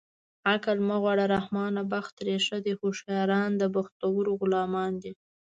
عقل مه غواړه رحمانه بخت ترې ښه دی هوښیاران د بختورو غلامان دي